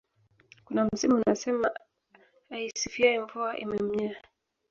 kuna msemo unasema aisifiyae Mvua imemnyea